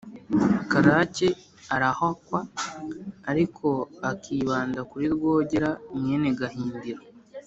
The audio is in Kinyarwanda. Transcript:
karake arahakwa, ariko akibanda kuri rwogera mwene gahindiro,